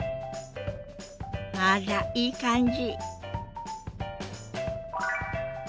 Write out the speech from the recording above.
あらいい感じ。